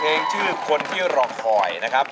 เองชื่อคนที่รอคอยนะครับ